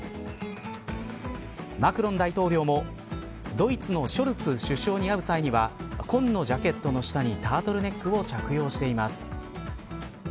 マクロン大統領もドイツのショルツ首相に会う際には紺のジャケットの下にタートルネックを着用しています。